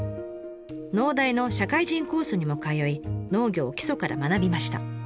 農大の社会人コースにも通い農業を基礎から学びました。